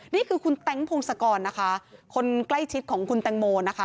นี่คือคุณแต๊งพงศกรคนใกล้ชิดของคุณตังโม